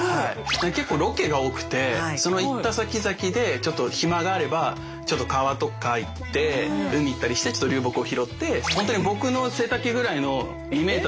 結構ロケが多くてその行ったさきざきでちょっと暇があればちょっと川とか行って海行ったりしてちょっと流木を拾ってほんとに僕の背丈ぐらいの２メートルの流木とかもあったり。